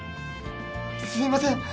すみません！